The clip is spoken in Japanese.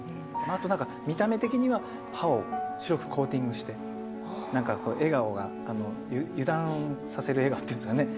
あとなんか、見た目的には、歯を白くコーティングして、なんか笑顔が油断させる笑顔っていうんですかね。